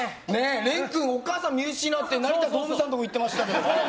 れん君、お母さんを見失って成田童夢さんのところに行ってましたけど。